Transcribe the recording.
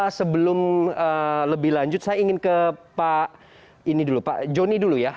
saya sebelum lebih lanjut saya ingin ke pak joni dulu ya